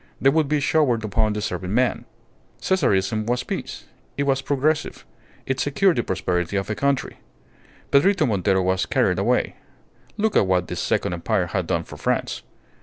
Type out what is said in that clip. They would be showered upon deserving men. Caesarism was peace. It was progressive. It secured the prosperity of a country. Pedrito Montero was carried away. Look at what the Second Empire had done for France.